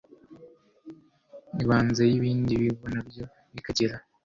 ibanze y ibindi bigo na byo bikagira